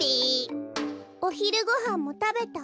おひるごはんもたべた。